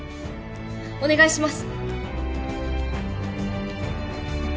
お願いします